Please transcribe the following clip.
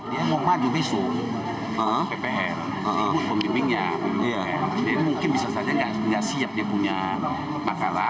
dia mau maju besok ppr pemimpinnya ini mungkin bisa saja nggak siap dia punya masalah